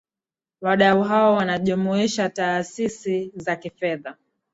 wadau hawa wanajumuisha taasisi za kifedha